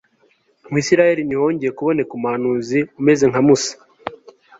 muri israheli ntihongeye kuboneka umuhanuzi umeze nka musa